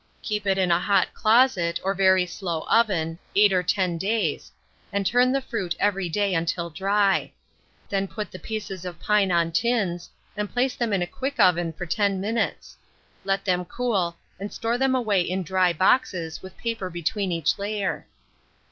Keep it in a hot closet, or very slow oven, 8 or 10 days, and turn the fruit every day until dry; then put the pieces of pine on tins, and place them in a quick oven for 10 minutes. Let them cool, and store them away in dry boxes, with paper between each layer.